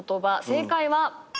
正解は。